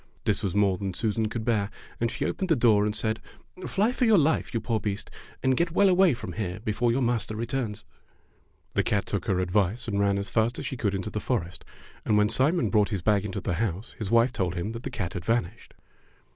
This was more than Susan could bear, and she opened the door and said, ''Fly for your life, you poor beast, and get well away from here before your master returns." The cat took her advice and ran as fast as she could into the forest, and when Simon brought his bag into the house his wife told him that the cat had vanished.